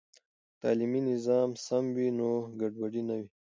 که تعلیمي نظام سم وي، نو ګډوډي نه وي.